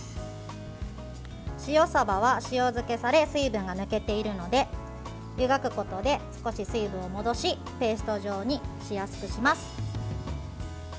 塩さばは、塩漬けされ水分が抜けているので湯がくことで少し水分を戻しペースト状にしやすくします。